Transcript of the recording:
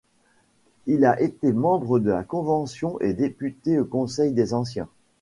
Il a été membre de la Convention et député au Conseil des Anciens.